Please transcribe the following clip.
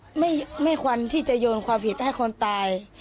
ก็คือแบบไม่ควรที่จะโยนความผิดให้คนตาย